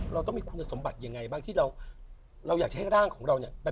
เราต้องมีคุณสมบัติยังไงบ้างที่เราอยากจะให้ร่างของเราเนี่ย